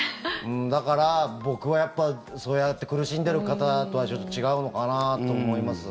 だから僕はやっぱりそうやって苦しんでいる方とはちょっと違うのかなと思います。